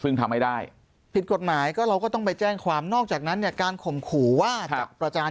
ซึ่งทำไม่ได้ผิดกฎหมายก็เราก็ต้องไปแจ้งความนอกจากนั้นเนี่ยการข่มขู่ว่าจะประจาน